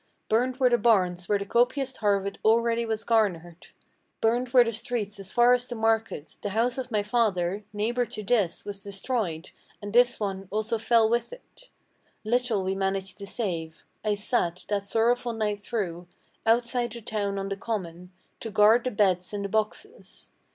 Burned were the barns where the copious harvest already was garnered; Burned were the streets as far as the market; the house of my father, Neighbor to this, was destroyed, and this one also fell with it. Little we managed to save. I sat, that sorrowful night through, Outside the town on the common, to guard the beds and the boxes.